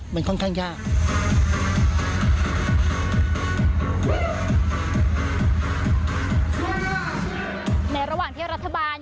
มันค่อนข้างยาก